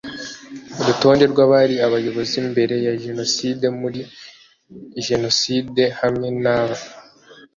rutonde rw abari abayobozi mbere ya jenoside no muri jenoside hamwe na ba